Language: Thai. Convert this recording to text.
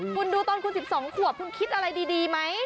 คุณดูตอนคุณ๑๒ขวบคุณคิดอะไรดีไหม